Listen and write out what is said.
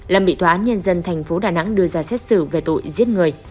lâm bị tòa án nhân dân thành phố đà nẵng đưa ra xét xử về tội giết người